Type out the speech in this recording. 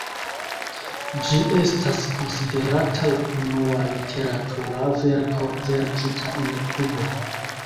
Ĝi estas konsiderata la unua literatura verko verkita en Kubo.